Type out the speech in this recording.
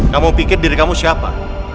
kamu pikir diri kamu siapa